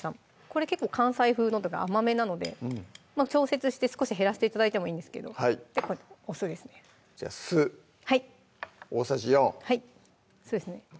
これ結構関西風の甘めなので調節して少し減らして頂いてもいいんですけどお酢ですねじゃあ酢大さじ４はいそうですね